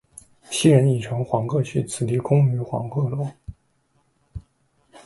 昔人已乘黄鹤去，此地空余黄鹤楼。